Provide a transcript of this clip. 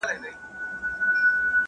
لوښي بې نقشه نه وي.